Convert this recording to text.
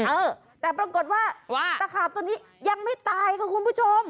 เออแต่ปรากฏว่าตะขาบตัวนี้ยังไม่ตายค่ะคุณผู้ชม